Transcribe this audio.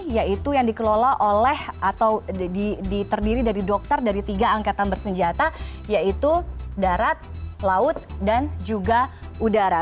yaitu yang dikelola oleh atau diterdiri dari dokter dari tiga angkatan bersenjata yaitu darat laut dan juga udara